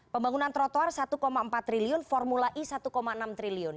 pembangunan trotoar satu empat triliun formula e satu enam triliun